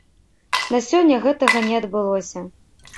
На сёння гэтага не адбылося.